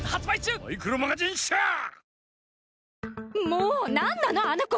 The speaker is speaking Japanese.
もう何なのあの子！